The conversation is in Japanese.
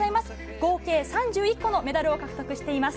合計３１個のメダルを獲得しています。